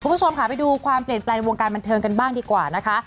คุณผู้ชมค่ะไปดูความเปลี่ยนแปลงในวงการบันเทิงกันบ้างดีกว่านะคะ